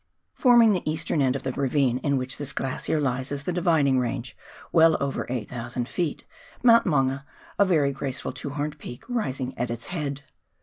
Forming the eastern end of the ravine in which this glacier lies, is the Dividing P^ange, well over 8,000 ft.. Mount Maunga, a very graceful two horned peak, rising at its head.